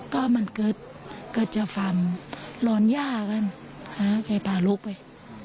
ก็มันก็จะฝ่ำหลอนยากันไอ้พาลุกไป